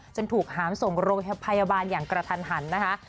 ถูกหามส่งโรงพยาบาลอย่างกระทันหันนะคะ